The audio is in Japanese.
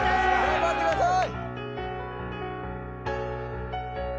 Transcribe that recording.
頑張ってください！